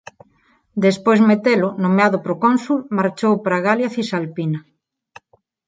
Despois Metelo, nomeado procónsul, marchou para a Galia Cisalpina.